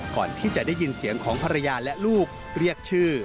ก่อนที่จะได้ยินเสียงของภรรยาและลูกเรียกชื่อ